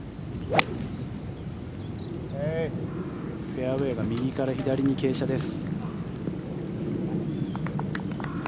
フェアウェーが右から左に傾斜です。